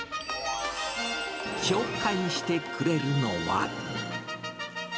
紹介してくれるのは。